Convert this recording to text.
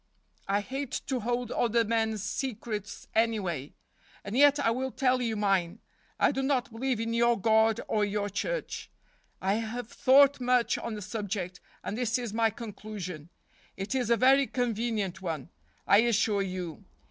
I hate to hold other men's secrets, anyway. And yet I will tell you mine. I do not believe in your God or your Church. I have thought much on the subject, and this is my conclusion. It is a very convenient one, I assure you.